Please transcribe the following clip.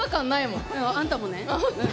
うんあんたもね。